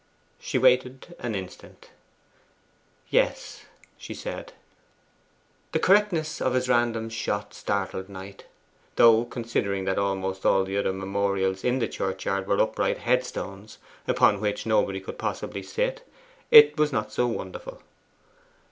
She waited an instant. 'Yes,' she said. The correctness of his random shot startled Knight; though, considering that almost all the other memorials in the churchyard were upright headstones upon which nobody could possibly sit, it was not so wonderful.